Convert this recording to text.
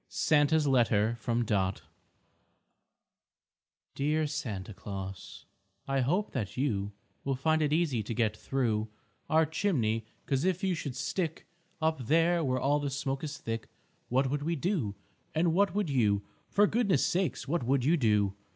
SANTA'S LETTER FROM DOT Dear Santa Claus, I hope that you Will find it easy to get through Our chimney, 'cause if you should stick Up there where all the smoke is thick, What would we do, and what would you, For goodness sakes, what would you do?